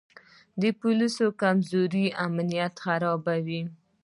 د پولیسو کمزوري امنیت خرابوي.